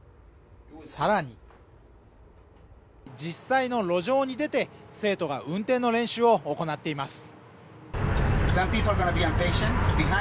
さらに実際の路上に出て生徒が運転の練習を行っています